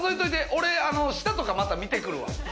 俺、下とか見てくるわ。